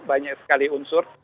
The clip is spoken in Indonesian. banyak sekali unsur